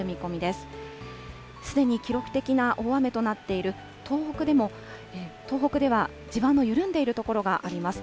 すでに記録的な大雨となっている東北では、地盤の緩んでいる所があります。